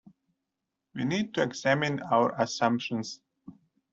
We need to examine our assumptions.